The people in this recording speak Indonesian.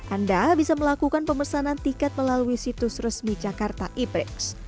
anda bisa melakukan pemesanan tiket melalui situs resmi jakarta e prix